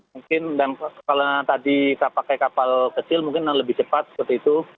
mungkin kalau tadi pakai kapal kecil mungkin lebih cepat seperti itu